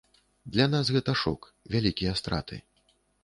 Для нас гэта шок, вялікія страты.